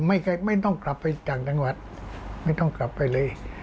ไม่ต้องกลับไปต่างจังหวัดไม่ต้องกลับไปเลย